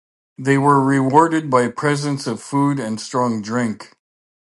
They were rewarded by presents of food and strong drink.